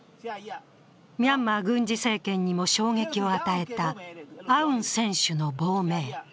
ミャンマー軍事政権にも衝撃を与えたアウン選手の亡命。